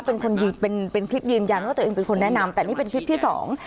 เป็นคนเป็นเป็นคลิปยืนยันว่าตัวเองเป็นคนแนะนำแต่นี่เป็นคลิปที่สอง